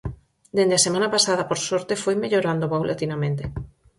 Dende a semana pasada, por sorte, foi mellorando paulatinamente.